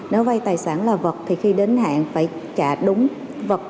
nếu vay tài sản là vật thì khi đến hạn phải trả đúng vật